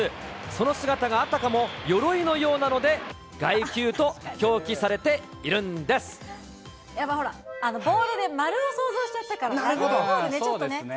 その姿があたかもよろいのようなので、鎧球と表記されているんでやっぱほら、ボールで丸を想像しちゃったから、ちょっとね。